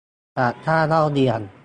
จากค่าเล่าเรียน